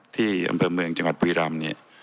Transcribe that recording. ที่อำเภอเมืองจังหวัดบุรีรำเนี่ย